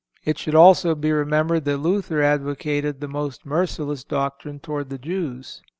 It should also be remembered that Luther advocated the most merciless doctrine towards the Jews.